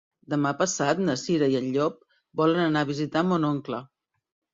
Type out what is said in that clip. Demà passat na Cira i en Llop volen anar a visitar mon oncle.